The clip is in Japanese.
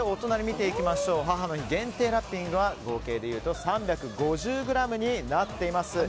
母の日限定ラッピングは合計でいうと３５０ｇになっています。